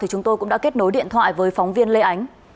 chúng tôi cũng đã kết nối điện thoại với phóng viên lê ánh